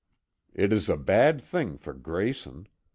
It is a bad thing for Grayson.